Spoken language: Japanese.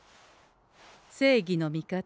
正義の味方